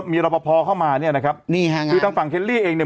มีรอปภเข้ามาเนี่ยนะครับนี่ฮะคือทางฝั่งเคลลี่เองเนี่ย